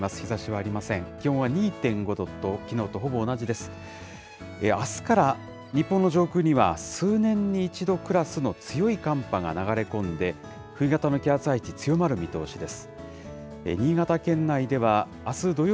あすから日本の上空には、数年に一度クラスの強い寒波が流れ込んで、冬型の気圧配置、強まる見通しです。